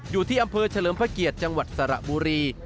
อยู่ที่อำเภอเฉลิมพระเกียรติจังหวัดสระบุรี